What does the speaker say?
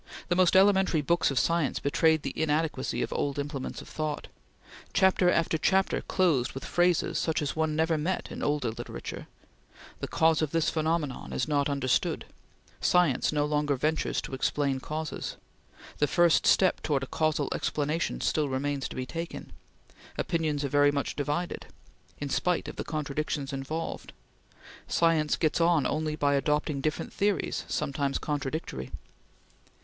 The most elementary books of science betrayed the inadequacy of old implements of thought. Chapter after chapter closed with phrases such as one never met in older literature: "The cause of this phenomenon is not understood"; "science no longer ventures to explain causes"; "the first step towards a causal explanation still remains to be taken"; "opinions are very much divided"; "in spite of the contradictions involved"; "science gets on only by adopting different theories, sometimes contradictory."